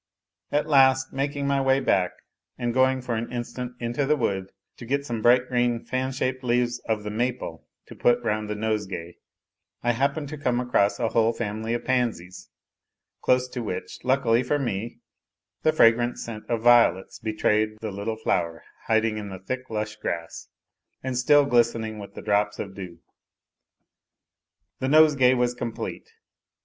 At last, making my way back, and going for an instant into the wood to get some bright green fan shaped leaves of the maple to put round the nosegay, I happened to come across a whole family of pansies, close to which, luckily for me, the fragrant scent of violets betrayed the little flower hiding in the thick lush grass and still glistening with drops of dew. The nosegay was complete.